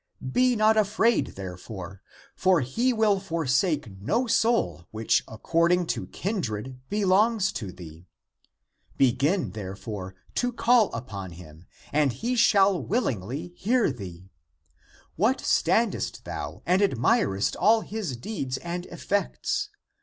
Be not afraid therefore. For he will forsake no soul which according to kindred belongs to thee. Begin, therefore, to call upon him, and he shall will ingly hear thee. What standest thou and admirest all his deeds and effects!